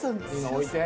置いて。